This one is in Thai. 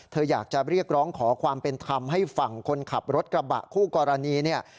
เธออยากจะเรียกร้องขอความเป็นธรรมให้ฝั่งคนขับรถกระบะคู่กรณีเนี่ย